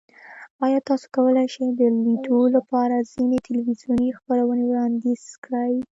ایا تاسو کولی شئ د لیدو لپاره ځینې تلویزیوني خپرونې وړاندیز کړئ؟